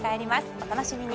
お楽しみに。